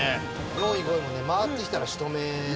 ４位５位もね回ってきたら仕留め。